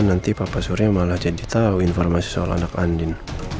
nanti papa surya malah jadi tahu informasi soal anak andin